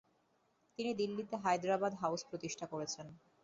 তিনি দিল্লিতে হায়দ্রাবাদ হাউস প্রতিষ্ঠা করেছেন।